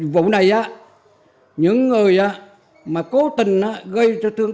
vụ này những người mà cố tình gây cho thương